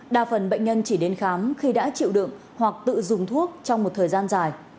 đa phần bệnh nhân chỉ đến khám khi đã chịu đựng hoặc tự dùng thuốc trong một thời gian dài